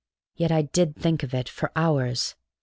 Yet I did think of it, for hours.